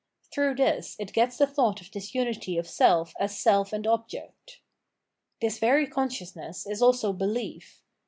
Through this it gets the thought of this unity of self as self and object. This very consciousness is also behef.